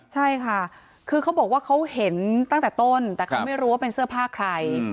ใช่ค่ะคือเขาบอกว่าเขาเห็นตั้งแต่ต้นแต่เขาไม่รู้ว่าเป็นเสื้อผ้าใคร